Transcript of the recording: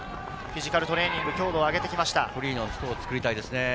フィジカルトレーニングで強度を上げてきました。